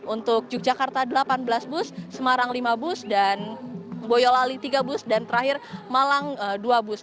untuk yogyakarta delapan belas bus semarang lima bus dan boyolali tiga bus dan terakhir malang dua bus